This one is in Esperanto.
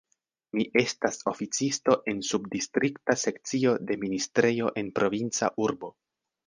Mi estas oficisto en subdistrikta sekcio de ministrejo en provinca urbo.